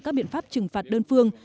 các biện pháp trừng phạt đơn phương